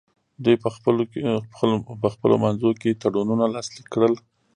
دوی په خپلو منځونو کې تړونونه لاسلیک کړل